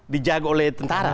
dijaga oleh tentara